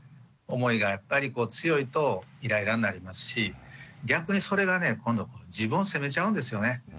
思いがやっぱりこう強いとイライラになりますし逆にそれがね今度自分を責めちゃうんですよね。